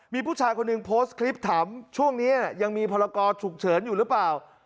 มีผู้ชายคนหนึ่งโพสต์คลิปถามช่วงนี้ยังมีพรกรฉุกเฉินอยู่หรือเปล่า